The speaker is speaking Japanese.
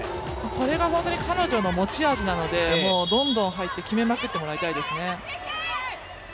これが彼女の持ち味なのでどんどん入って決めまくってもらいたいですね。